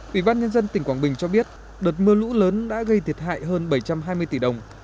ủy ban nhân dân tỉnh quảng bình cho biết đợt mưa lũ lớn đã gây thiệt hại hơn bảy trăm hai mươi tỷ đồng